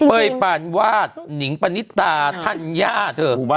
เปย์ปานวาดหนิงปณิตาทันยาเธอ